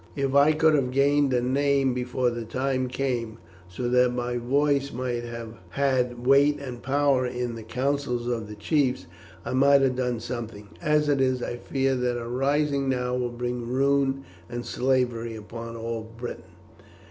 "If I could have gained a name before the time came, so that my voice might have had weight and power in the councils of the chiefs, I might have done something. As it is, I fear that a rising now will bring ruin and slavery upon all Britain."